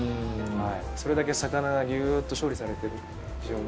それだけ魚がギュっと処理されてる非常に。